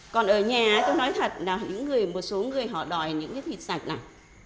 còn ở nhà tôi nói thật là một số người họ đòi những cái thịt sạch này